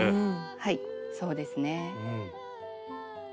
はいそうですね。